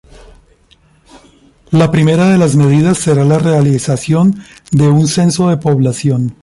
La primera de las medidas será la realización de un censo de población.